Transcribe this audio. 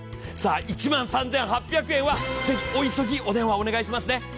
さあ１万３８００円はぜひお急ぎお電話をお願いしますね！